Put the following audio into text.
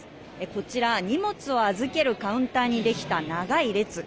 こちら、荷物を預けるカウンターにできた長い列。